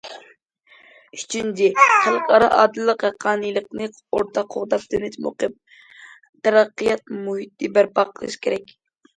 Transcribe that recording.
ئۈچىنچى، خەلقئارا ئادىللىق، ھەققانىيلىقنى ئورتاق قوغداپ، تىنچ، مۇقىم تەرەققىيات مۇھىتى بەرپا قىلىش كېرەك.